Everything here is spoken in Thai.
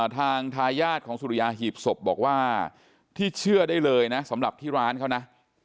ทางทายาทของสุริยาหีบศพบอกว่าที่เชื่อได้เลยนะสำหรับที่ร้านเขานะ